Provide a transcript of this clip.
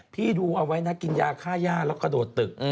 ดูเอาไว้นะกินยาฆ่าย่าแล้วกระโดดตึก